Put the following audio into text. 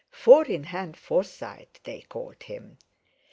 Four in hand Forsyte they called him!